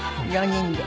４人で。